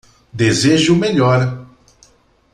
Desejo o melhor!